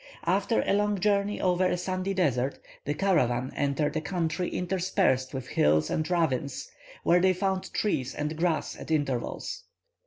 After a long journey over a sandy desert, the caravan entered a country interspersed with hills and ravines, where they found trees and grass at intervals.